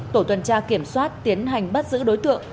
tổ tuần tra kiểm soát tiến hành bắt giữ đối tượng